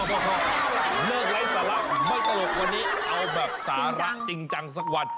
พ่อเลิกไร้สาระไม่ตลกวันนี้เอาแบบสาระจริงจังสักวัน